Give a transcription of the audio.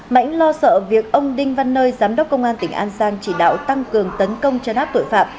mãnh lo sợ việc ông đinh văn nơi giám đốc công an tỉnh an giang chỉ đạo tăng cường tấn công chấn áp tội phạm